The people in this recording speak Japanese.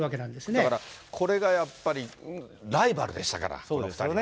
だから、これがやっぱり、ライバルでしたから、この２人はね。